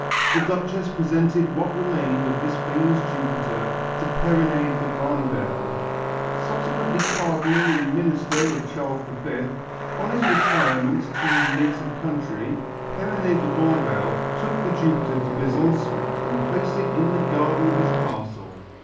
The Duchess presented what remained of this famous Jupiter to Perronet de Granvelle. Subsequently cardinal and minister of Charles V, on his retirement to his native country, Perronet de Granvelle took the Jupiter to Besançon and placed it in the garden of his castle.